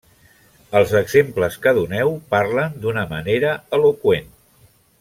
Els exemples que doneu parlen d'una manera eloqüent.